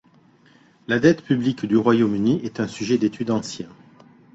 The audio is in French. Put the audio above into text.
La dette publique du Royaume-Uni est un sujet d'étude ancien.